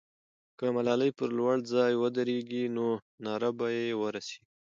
که ملالۍ پر لوړ ځای ودرېږي، نو ناره به یې ورسېږي.